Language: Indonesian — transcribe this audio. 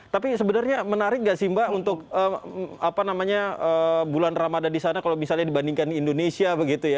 tapi sebenarnya menarik nggak sih mbak untuk bulan ramadhan di sana kalau misalnya dibandingkan indonesia begitu ya